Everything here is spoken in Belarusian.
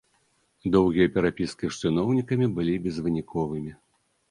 Доўгія перапіскі з чыноўнікамі былі безвыніковымі.